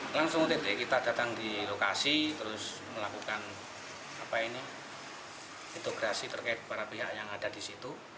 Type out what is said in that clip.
langsung ott kita datang di lokasi terus melakukan integrasi terkait para pihak yang ada di situ